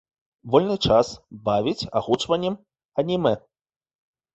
Вольны час бавіць агучваннем анімэ.